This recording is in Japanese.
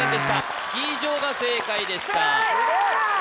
スキー場が正解でしたシャー！